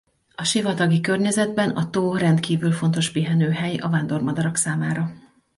A sivatagi környezetben a tó rendkívül fontos pihenőhely a vándormadarak számára.